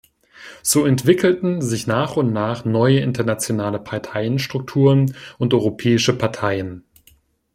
So entwickelten sich nach und nach neue internationale Parteienstrukturen und europäische Parteien.